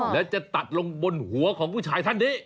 แล้วจะตัดลงบนหัวของผู้ชายท่านนี้